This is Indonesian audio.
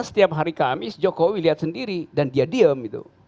setiap hari kamis jokowi lihat sendiri dan dia diam